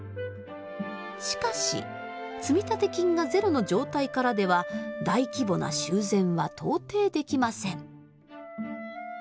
しかし積立金がゼロの状態からでは大規模な修繕は到底できません。